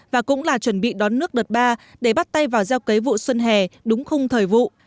và cũng là chuẩn bị đón nước đợt ba để bắt tay vào gieo cấy vụ xuân hè đúng khung thời vụ